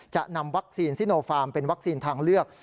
จะนำวัคซีนซิโนฟาร์มเป็นวัคซีนทางเลือก